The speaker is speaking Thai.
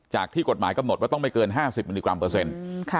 ที่กฎหมายกำหนดว่าต้องไม่เกิน๕๐มิลลิกรัมเปอร์เซ็นต์